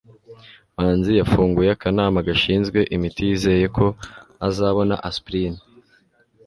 manzi yafunguye akanama gashinzwe imiti yizeye ko azabona aspirine